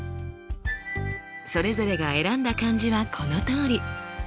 それぞれが選んだ漢字はこのとおり。